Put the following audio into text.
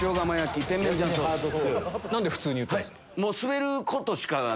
何で普通に言ったんですか？